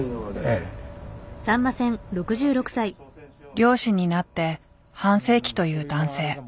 漁師になって半世紀という男性。